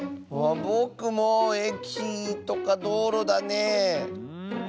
ぼくもえきとかどうろだねえ。